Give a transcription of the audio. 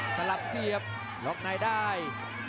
สลับเสียบหลอกนายได้